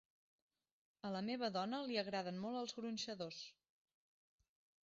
A la meva dona li agraden molt els gronxadors.